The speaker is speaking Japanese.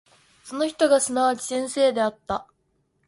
その人がすなわち先生であった。